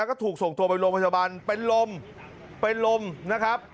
ก็ถูกส่งตัวไปโรงพยาบาลเป็นลมเป็นลมนะครับ